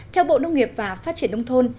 theo bộ nông nghiệp và phát triển nông thôn